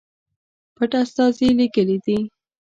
پټ استازي لېږلي دي.